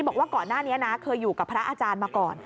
บอกว่าก่อนหน้านี้นะเคยอยู่กับพระอาจารย์มาก่อน